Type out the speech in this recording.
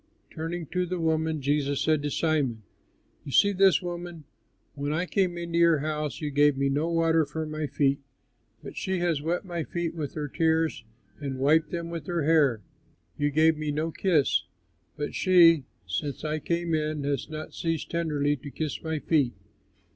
Turning to the woman, Jesus said to Simon, "You see this woman? When I came into your house, you gave me no water for my feet; but she has wet my feet with her tears and wiped them with her hair. You gave me no kiss, but she, since I came in, has not ceased tenderly to kiss my feet.